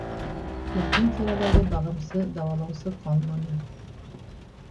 Яҡын-тирәләге бағымсы-дауалаусы ҡалманы.